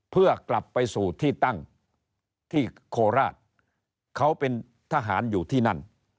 เพื่อกลับไปสู่ที่ตั้งที่โคราชเขาเป็นทหารอยู่ที่นั่น